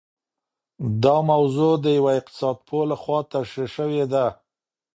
دا موضوع د يوه اقتصاد پوه لخوا تشرېح سوې ده.